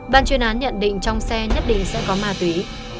ban chuyên án nhận định trong xe nhất định sẽ có ma túy